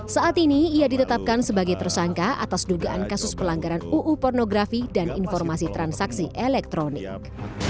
saat ini ia ditetapkan sebagai tersangka atas dugaan kasus pelanggaran uu pornografi dan informasi transaksi elektronik